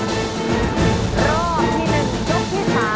รอบที่๑ยกที่๓